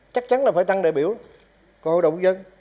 chắc chắn là phải tăng đại biểu của hội đồng dân